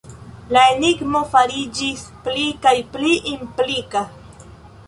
La enigmo fariĝis pli kaj pli implika.